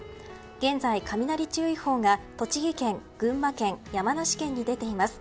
現在、雷注意報が栃木県群馬県、山梨県に出ています。